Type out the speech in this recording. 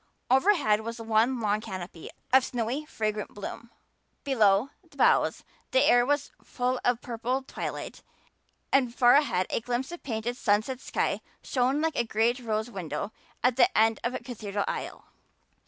Overhead was one long canopy of snowy fragrant bloom. Below the boughs the air was full of a purple twilight and far ahead a glimpse of painted sunset sky shone like a great rose window at the end of a cathedral aisle.